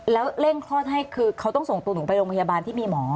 แล้วเร่งคลอดให้คือเขาต้องส่งตัวหนูไปโรงพยาบาลที่มีหมอ